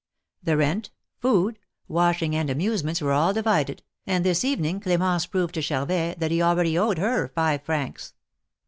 The rent, food, washing and amusements were all divided, and this evening CRmence proved to Charvet that he already owed her five francs.